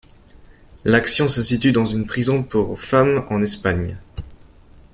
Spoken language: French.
L'action se situe dans une prison pour femme en Espagne.